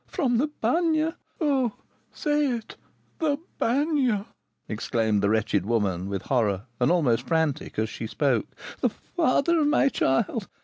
"From the Bagne? Oh, say it! the Bagne!" exclaimed the wretched woman with horror, and almost frantic as she spoke. "The father of my child!